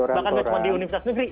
bahkan gak cuma di universitas negeri